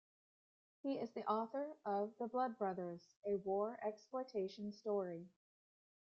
He is the author of "The Blood Brothers", a war exploitation story.